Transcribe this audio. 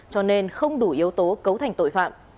cho nên không đủ yếu tố cấu thành tội phạm